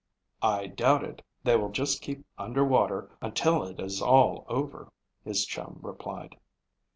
"I doubt it. They will just keep under water until it is all over," his chum replied.